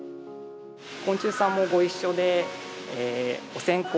昆虫さんもご一緒で、お線香